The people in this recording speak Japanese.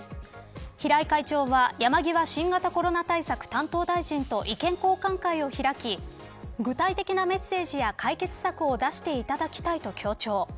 平井会長は山際新型コロナ対策担当大臣と意見交換会を開き具体的なメッセージや解決策を出していただきたいと強調。